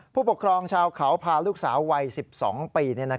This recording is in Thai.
ผู้ปกครองชาวเขาพาลูกสาววัย๑๒ปี